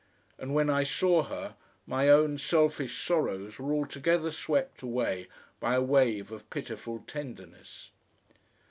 And when I saw her, my own selfish sorrows were altogether swept away by a wave of pitiful tenderness.